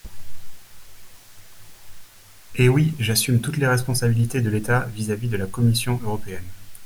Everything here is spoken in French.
Eh oui ! J’assume toutes les responsabilités de l’État vis-à-vis de la Commission européenne.